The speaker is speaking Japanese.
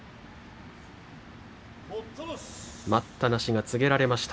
待ったなしが告げられました。